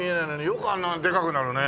よくあんなでかくなるね。